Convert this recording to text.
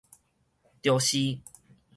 著是